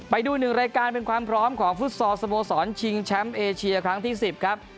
ไปดูหนึ่งรายการเป็นความพร้อมของฟุตซอลสโมสรชิงแชมป์เอเชียครั้งที่๑๐ครับ